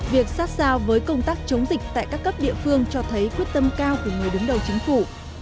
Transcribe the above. việc sát sao với công tác chống dịch tại các cấp địa phương cho thấy quyết tâm cao của người đứng đầu chính phủ